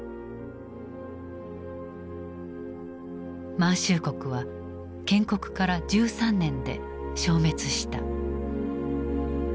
満州国は建国から１３年で消滅した。